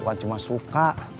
bukan cuma suka